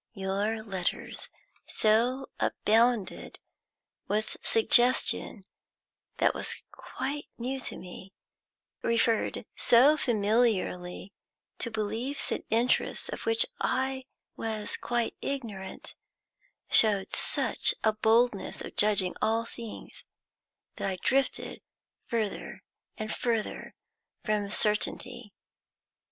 Your letters so abounded with suggestion that was quite new to me, referred so familiarly to beliefs and interests of which I was quite ignorant, showed such a boldness in judging all things, that I drifted further and further from certainty.